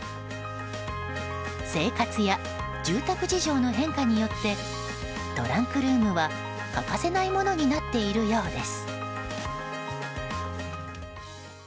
生活や住宅事情の変化によってトランクルームは欠かせないものになっているようです。